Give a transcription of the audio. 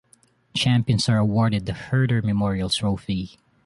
Champions are awarded the Herder Memorial Trophy.